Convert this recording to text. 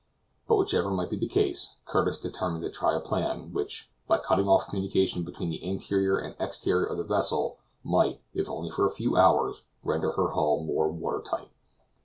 But, whichever might be the case, Curtis determined to try a plan which, by cutting off communication between the interior and exterior of the vessel, might, if only for a few hours, render her hull more water tight.